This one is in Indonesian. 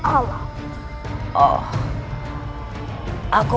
baiklah nyai rayu